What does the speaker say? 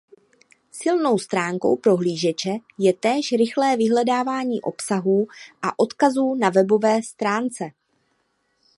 Silnou stránkou prohlížeče je též rychlé vyhledávání obsahů a odkazů na webové stránce.